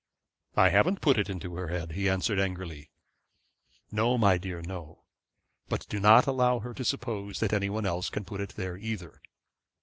'I haven't put it into her head,' he answered angrily. 'No, my dear, no; but do not allow her to suppose that anybody else can put it there either.